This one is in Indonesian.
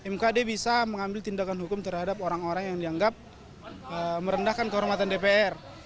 mkd bisa mengambil tindakan hukum terhadap orang orang yang dianggap merendahkan kehormatan dpr